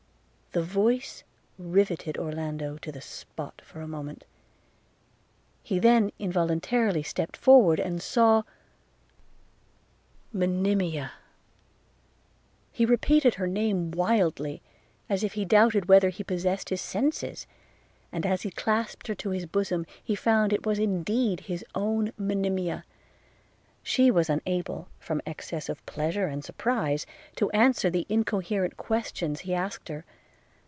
The voice riveted Orlando to the spot for a moment; he then involuntarily stepped forward, and saw – Monimia! He repeated her name wildly, as if he doubted whether he possessed his senses; and as he clasped her to his bosom, and found it was indeed his own Monimia, she was unable, from excess of pleasure and surprise, to answer the incoherent questions he asked her.